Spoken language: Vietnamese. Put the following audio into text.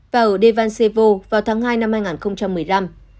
và ở devansevo vào tháng hai năm hai nghìn một mươi năm